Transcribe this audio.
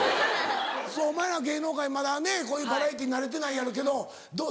お前は芸能界まだねこういうバラエティー慣れてないやろうけどどう？